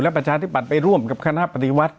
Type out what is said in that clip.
ประชาธิบัติไปร่วมกับคณะปฏิวัติ